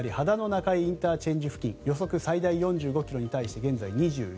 中井ＩＣ付近予測最大４５ｋｍに対して現在、２１ｋｍ。